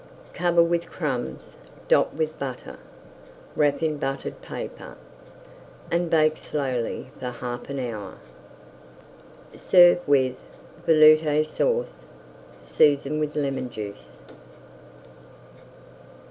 Cover with crumbs, dot with butter, wrap in buttered paper, and bake slowly far half an hour. Serve with Velouté Sauce, seasoned with lemon juice.